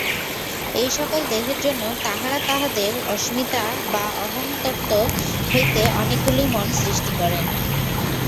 এই-সকল দেহের জন্য তাঁহারা তাঁহাদের অস্মিতা বা অহংতত্ত্ব হইতে অনেকগুলি মন সৃষ্টি করেন।